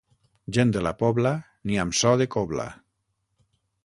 Gent de la Pobla, ni amb so de cobla.